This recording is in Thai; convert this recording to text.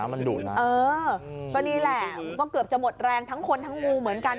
มันดุนะเออก็นี่แหละมันก็เกือบจะหมดแรงทั้งคนทั้งงูเหมือนกัน